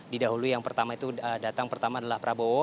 di dahulu yang pertama itu datang pertama adalah prabowo